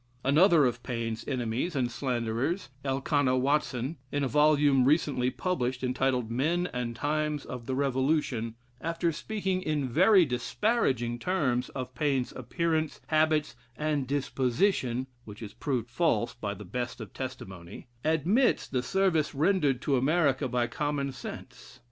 Another of Paine's enemies and slanderers Elkanah Watson in a volume recently published, entitled "Men and Times of the Revolution," after speaking in very disparaging terms of Paine's appearance, habits, and disposition (which is proved false by the best of testimony,) admits the service rendered to America by "Common Sense."